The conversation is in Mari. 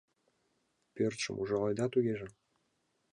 — Пӧртшым ужаледа тугеже?